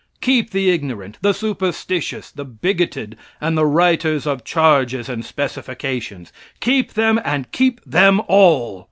Keep the ignorant, the superstitious, the bigoted, and the writers of charges and specifications. Keep them, and keep them all.